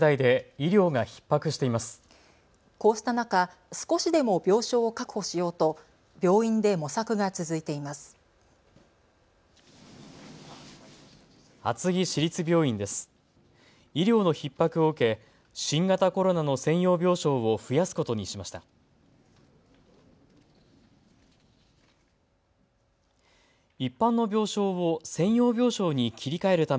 医療のひっ迫を受け新型コロナの専用病床を増やすことにしました。